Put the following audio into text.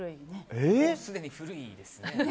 すでに古いですね。